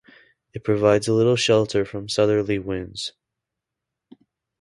It provides little shelter from southerly winds.